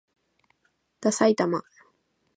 ださいたま